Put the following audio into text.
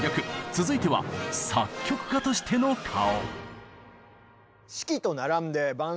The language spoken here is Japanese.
続いては作曲家としての顔。